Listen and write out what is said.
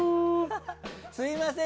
すみません。